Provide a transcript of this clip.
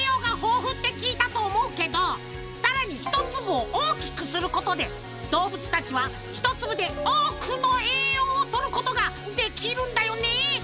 さらに１粒を大きくすることで動物たちは１粒で多くの栄養をとることができるんだよね！